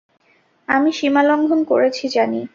আমি সীমালঙ্ঘন করেছি, জানি।